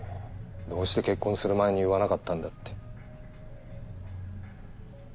どうして結婚する前に言わなかったんだって。